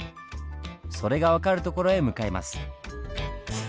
それが分かる所へ向かいます。